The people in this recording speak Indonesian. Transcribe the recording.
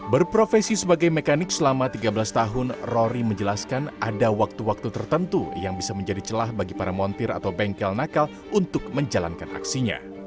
berprofesi sebagai mekanik selama tiga belas tahun rory menjelaskan ada waktu waktu tertentu yang bisa menjadi celah bagi para montir atau bengkel nakal untuk menjalankan aksinya